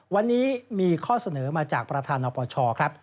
วันนี้มีข้อเสนอมาจากประธานนปชครับ